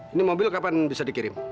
ini mobil kapan bisa dikirim